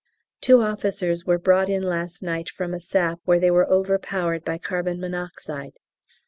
Two officers were brought in last night from a sap where they were overpowered by carbon monoxide.